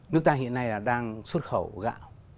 nước ta hiện nay đang xuất khẩu gạo